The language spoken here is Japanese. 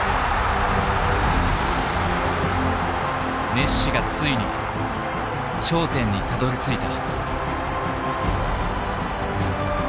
メッシがついに頂点にたどりついた。